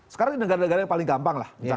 sekarang ini negara negara yang paling gampang lah